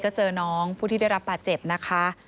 ก็เจอน้องผู้ที่ได้รับบาดเจ็บนะคะ